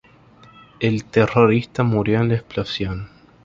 El terrorista murió en la explosión.